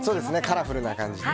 カラフルな感じで。